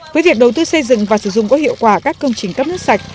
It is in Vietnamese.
với việc đầu tư xây dựng và sử dụng có hiệu quả các công trình cấp nước sạch